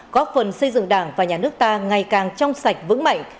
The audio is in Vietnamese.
góp phần xây dựng đảng và nhà nước ta ngày càng trong sạch vững mạnh